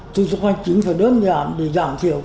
thủ tục hành chính phải đơn giản để giảm thiểu